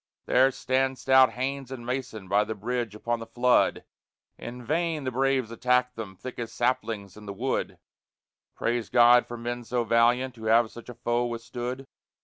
There stand stout Haynes and Mason by the bridge upon the flood; In vain the braves attack them, thick as saplings in the wood: Praise God for men so valiant, who have such a foe withstood!